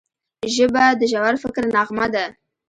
ژبه د ژور فکر نغمه ده